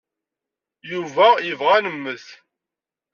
Yuba yebɣa ad nemmet.